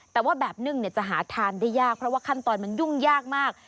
แต่ว่าแบบนึ่งจะหาทานได้ยากเพราะว่าขั้นตอนมันยุ่งยากมาก